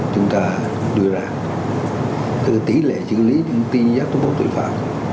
chúng ta đưa ra tỷ lệ chữ lý những tin giác tố bố tội phạm